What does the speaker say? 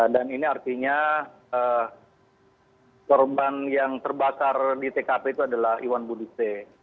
dan ini artinya korban yang terbakar di tkp itu adalah iwan budi t